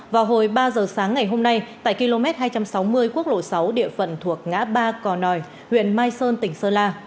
vào hồi ba giờ sáng ngày hôm nay tại km hai trăm sáu mươi quốc lộ sáu địa phận thuộc ngã ba cò nòi huyện mai sơn tỉnh sơn la